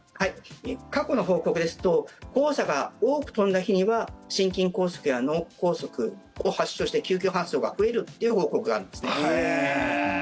過去の報告ですと黄砂が多く飛んだ日には心筋梗塞や脳梗塞を発症して救急搬送が増えるという報告がへー！